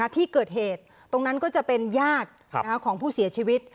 ที่เกิดเหตุตรงนั้นก็จะเป็นญาติของผู้เสียชีวิต